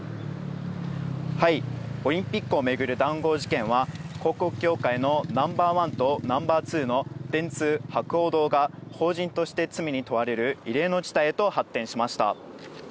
オリンピックを巡る談合事件は、広告業界のナンバー１とナンバー２の電通、博報堂が法人として罪に問われる異例の事態へと発展しました。